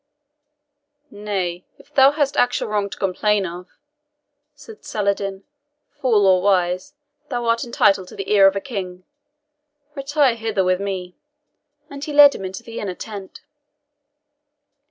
"Nay, if thou hast actual wrong to complain of," said Saladin, "fool or wise, thou art entitled to the ear of a King. Retire hither with me;" and he led him into the inner tent.